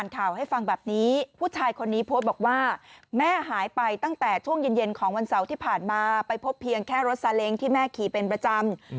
ที่ผ่านมาไปพบเพียงแค่รถซาเล้งที่แม่ขี่เป็นประจำอืม